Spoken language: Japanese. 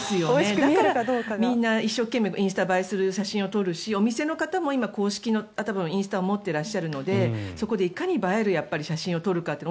だからみんな一生懸命インスタ映えする写真を撮るしお店の方も公式のインスタを持っていらっしゃるのでそこでいかに映える写真を撮るかどうか。